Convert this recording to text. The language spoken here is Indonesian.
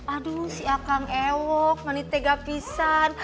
aduh si akang ewok ngani tega pisan